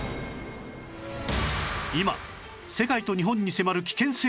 今世界と日本に迫る危険生物